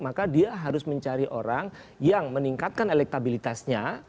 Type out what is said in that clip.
maka dia harus mencari orang yang meningkatkan elektabilitasnya